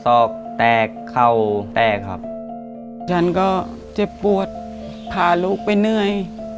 ศอกแตกเข่าแตกครับฉันก็เจ็บปวดพาลูกไปเหนื่อย